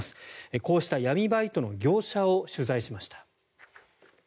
こうした闇バイトの業者を取材しました。